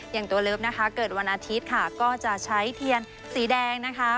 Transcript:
อย่างตัวเลิฟนะคะเกิดวันอาทิตย์ค่ะก็จะใช้เทียนสีแดงนะคะ